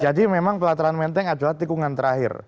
jadi memang pelataran menteng adalah tikungan terakhir